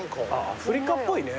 アフリカっぽいね。